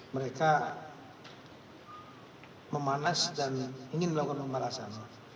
mereka memanas dan ingin melakukan pemanasan